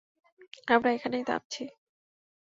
আমরা এখানেই থামছি।